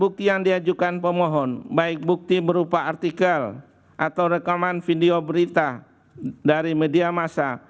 bukti yang diajukan pemohon baik bukti berupa artikel atau rekaman video berita dari media masa